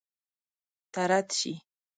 طرد شي.